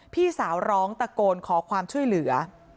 พี่สาวร้องตะโกนขอความช่วยเหลือ